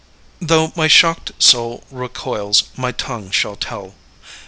Though my shock'd soul recoils, my tongue shall tell.